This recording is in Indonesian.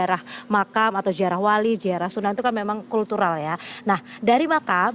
nah jadi kita coba kita coba sedikit